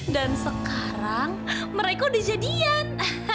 dan sekarang mereka udah jadian